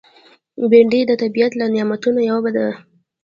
بېنډۍ د طبیعت له نعمتونو یوه ده